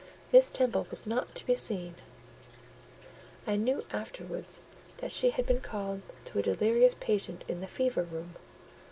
Miss Temple was not to be seen: I knew afterwards that she had been called to a delirious patient in the fever room.